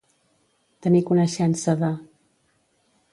Tenir coneixença de.